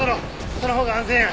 そのほうが安全や。